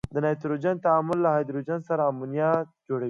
د نایتروجن تعامل له هایدروجن سره امونیا جوړوي.